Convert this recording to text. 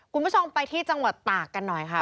คุณผู้ชมไปที่จังหวัดตากกันหน่อยค่ะ